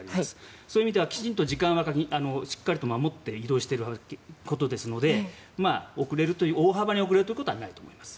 そういう意味ではしっかり時間は守って移動していることですので遅れるということはないと思います。